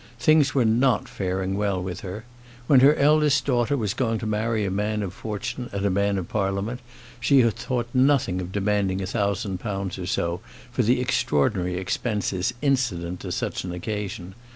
Things were not faring well with her. When her eldest daughter was going to marry a man of fortune, and a member of Parliament, she had thought nothing of demanding a thousand pounds or so for the extraordinary expenses incident to such an occasion.